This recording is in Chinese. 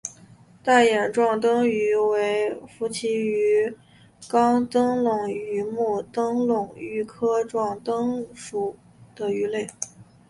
大眼壮灯鱼为辐鳍鱼纲灯笼鱼目灯笼鱼科壮灯鱼属的鱼类。